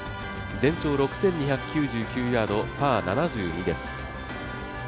全長６２９２ヤード、パー７２です。